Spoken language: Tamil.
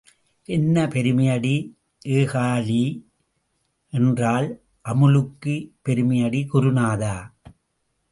என்ன பெருமையடி ஏகாலி என்றால் அமுக்குப் பெருமையடி குருநாதா!